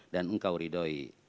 dan engkau ridhoi